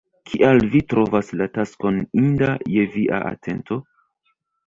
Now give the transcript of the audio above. Kial vi trovas la taskon inda je via atento?